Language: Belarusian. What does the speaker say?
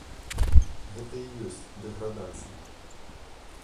Гэта і ёсць дэградацыя.